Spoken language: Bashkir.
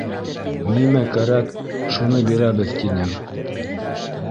Нимә кәрәк, шуны бирәбеҙ, тинең